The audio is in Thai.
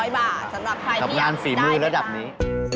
๙๕๐๐บาทสำหรับใครพี่อาร์ดได้แบบนี้